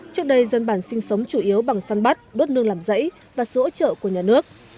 trước đây dân bản sinh sống chủ yếu bằng săn bắt đốt nương làm rẫy và sự hỗ trợ của nhà nước